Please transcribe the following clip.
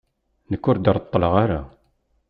Nekk ur d-reṭṭleɣ ara.